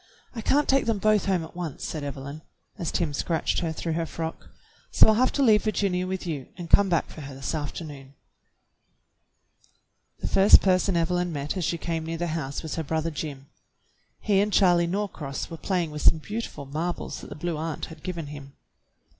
I can't take them both home at once," said Evelyn, as Tim scratched her through her frock, "so I'll have to leave Virginia with you and come back for her this afternoon." NANCY MERRIFIELD AND THE STRANGER 27 The first person Evelyn met as she came near the house was her brother Jim. He and Charley Norcross were playing with some beautiful marbles that the Blue Aunt had given him.